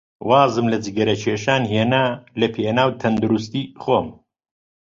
وازم لە جگەرەکێشان هێنا لەپێناو تەندروستیی خۆم.